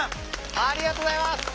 ありがとうございます！